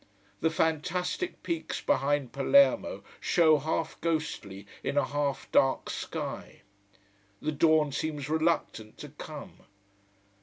The fantastic peaks behind Palermo show half ghostly in a half dark sky. The dawn seems reluctant to come.